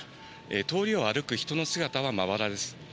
通りを歩く人の姿はまばらです。